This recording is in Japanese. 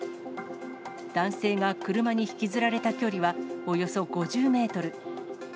男性が車に引きずられた距離はおよそ５０メートル。